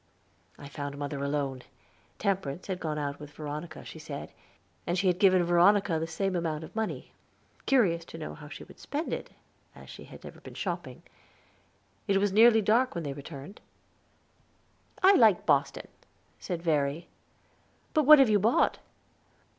I found mother alone; Temperance had gone out with Veronica, she said, and she had given Veronica the same amount of money, curious to know how she would spend it, as she had never been shopping. It was nearly dark when they returned. "I like Boston," said Verry. "But what have you bought?"